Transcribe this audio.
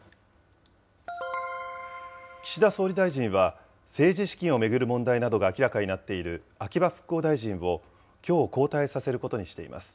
岸田総理大臣は、政治資金を巡る問題などが明らかになっている秋葉復興大臣を、きょう交代させることにしています。